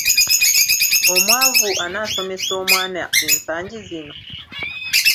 Omwavu anaasomesa omwana ensangi zino?